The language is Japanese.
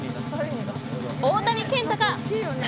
大谷健太か。